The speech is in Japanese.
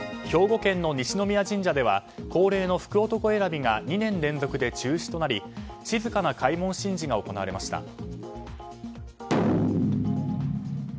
兵庫県の西宮神社では恒例の福男選びが２年連続で中止となり静かな開門神事が行われました。